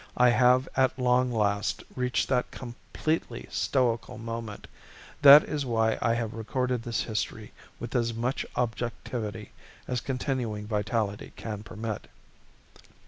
I have at long last reached that completely stoical moment. That is why I have recorded this history with as much objectivity as continuing vitality can permit.